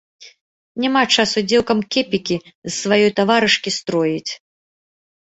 Няма часу дзеўкам кепікі з сваёй таварышкі строіць.